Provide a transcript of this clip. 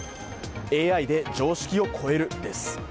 ＡＩで常識を超える、です。